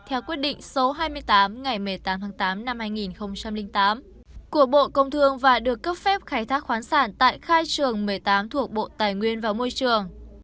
theo quyết định số hai mươi tám ngày một mươi tám tháng tám năm hai nghìn tám của bộ công thương và được cấp phép khai thác khoáng sản tại khai trường một mươi tám thuộc bộ tài nguyên và môi trường